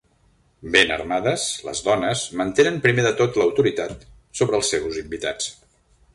Ben armades, les dones mantenen primer de tot l'autoritat sobre els seus invitats.